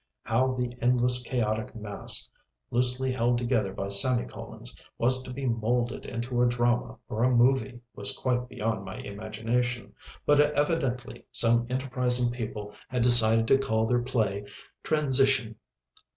How the endless chaotic mass, loosely held together by semi colons, was to be moulded into a drama or a movie was quite beyond my imagination, but evidently some enterprising people had decided to call their play "Transition."